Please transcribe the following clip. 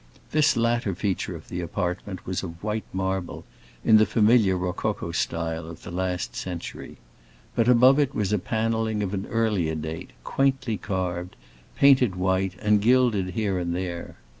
This latter feature of the apartment was of white marble, and in the familiar rococo style of the last century; but above it was a paneling of an earlier date, quaintly carved, painted white, and gilded here and there.